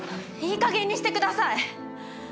いいかげんにしてください。